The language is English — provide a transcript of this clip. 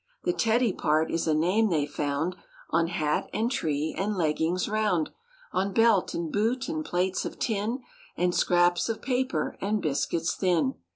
The "Teddy" part is a name they found On hat and tree and leggings round, On belt and boot and plates of tin, And scraps of paper and biscuits thin.